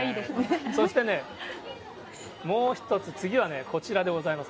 そしてね、もう一つ、次はね、こちらでございます。